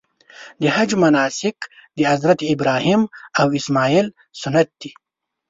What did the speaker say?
د حج مناسک د حضرت ابراهیم او اسماعیل سنت دي.